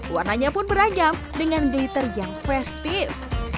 warnanya pun beragam dengan dater yang festif